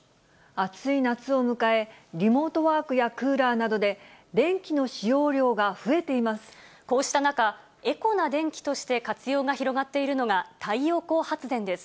暑い夏を迎え、リモートワークやクーラーなどで、こうした中、エコな電気として活用が広がっているのが、太陽光発電です。